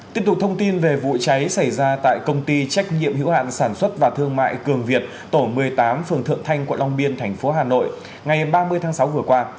tiếp tục thông tin về vụ cháy xảy ra tại công ty trách nhiệm hữu hạn sản xuất và thương mại cường việt tổ một mươi tám phường thượng thanh quận long biên thành phố hà nội ngày ba mươi tháng sáu vừa qua